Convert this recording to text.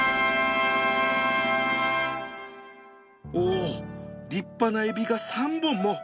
お立派なエビが３本も